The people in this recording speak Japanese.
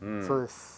そうです。